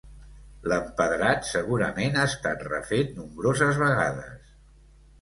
L'empedrat segurament ha estat refet nombroses vegades.